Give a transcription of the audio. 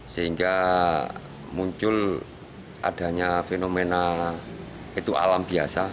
sehingga muncul adanya fenomena itu alam biasa